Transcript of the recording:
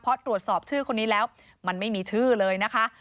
เพราะตรวจสอบชื่อคนนี้แล้วมันไม่มีชื่อเลยนะคะ